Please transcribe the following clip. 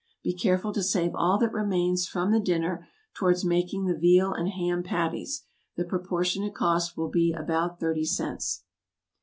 Be careful to save all that remains from the dinner, towards making the VEAL AND HAM PATTIES; the proportionate cost will be about thirty cents.